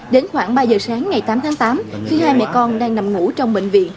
đến khoảng ba giờ sáng ngày tám tháng tám khi hai mẹ con đang nằm ngủ trong bệnh viện